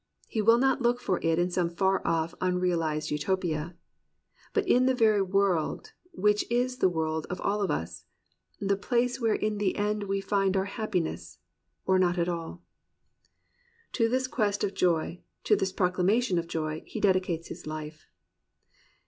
He will not look for it in some far off unrealized Utopia, But in the very world which is the world Of all of us, — the place where in the end We find our happiness, or not at all !" To this quest of joy, to this proclamation of joy, he dedicates his life.